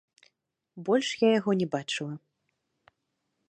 Больш я яго не бачыла.